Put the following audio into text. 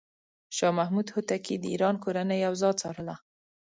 شاه محمود هوتکی د ایران کورنۍ اوضاع څارله.